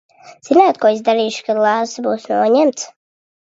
Zināt, ko es darīšu, kad lāsts būs noņemts?